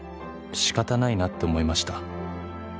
「仕方ないなって思いました」